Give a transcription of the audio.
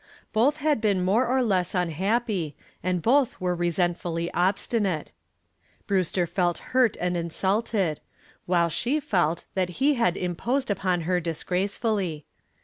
Both had been more or less unhappy, and both were resentfully obstinate. Brewster felt hurt and insulted, while she felt that he had imposed upon her disgracefully.